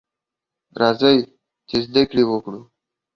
راځئ ! چې زده کړې وکړو.